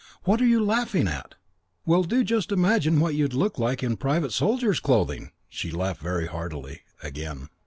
"What are you laughing at?" "Well, do just imagine what you'd look like in private soldier's clothing!" She laughed very heartily again.